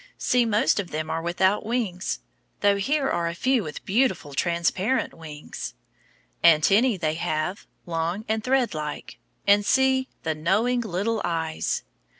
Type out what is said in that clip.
See, most of them are without wings, though here are a few with beautiful transparent wings. Antennæ they have, long and threadlike. And see, the knowing little eyes!